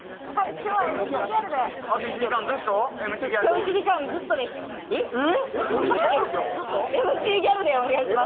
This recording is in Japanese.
今日１時間、ずっとです。